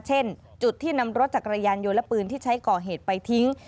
เช่นจุดที่นำรถจักรยานยนต์และปืนที่ใช้ก่อเหตุไปทิ้ง